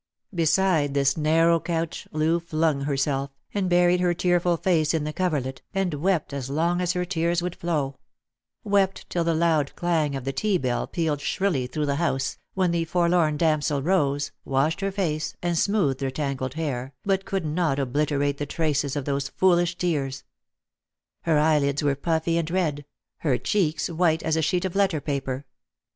Beside this narrow couch Loo flung herself, and buried her tearful face in the coverlet, and wept as long as her tears would flow — wept till the loud clang of the tea bell pealed shrilly through the house, when the forlorn damsel rose, washed her face, and smoothed her tangled hair, but could not obliterate the traces of those foolish tears. Her eyelids were puffy and red; her cheeks white as a sheet of letter paper.